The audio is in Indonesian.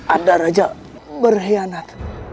ada raja berkhianat